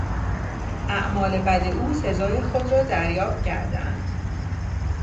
اعمال بد او سزای خود را دریافت کردهاند.